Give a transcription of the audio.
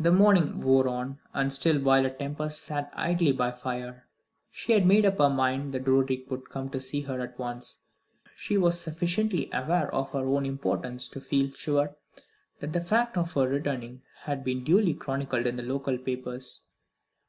The morning wore on, and still Violet Tempest sat idly by the fire. She had made up her mind that Roderick would come to see her at once. She was sufficiently aware of her own importance to feel sure that the fact of her return had been duly chronicled in the local papers.